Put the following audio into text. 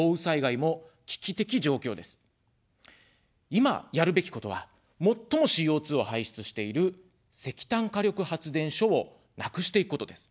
いま、やるべきことは、最もＣＯ２を排出している石炭火力発電所をなくしていくことです。